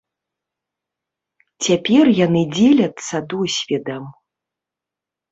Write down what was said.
Цяпер яны дзеляцца досведам.